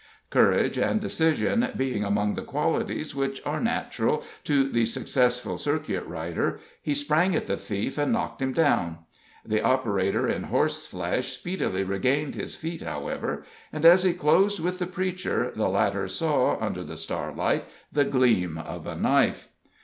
Courage and decision being among the qualities which are natural to the successful circuit rider, he sprang at the thief and knocked him down. The operator in horse flesh speedily regained his feet, however, and as he closed with the preacher the latter saw, under the starlight, the gleam of a knife.